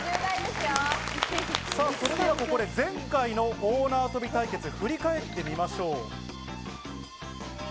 それではここで前回の大縄跳び対決を振り返ってみましょう。